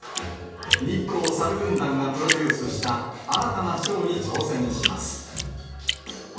日光さる軍団がプロデュースした、新たなショーに挑戦します。